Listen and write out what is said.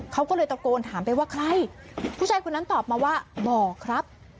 เขาก็เลยตะโกนถามไปว่าใครผู้ชายคนนั้นตอบมาว่าบอกครับ